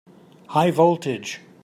High voltage!